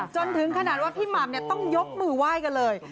จนถึงขนาดว่าพี่หม่ำต้องยกมือไหว้กันเลย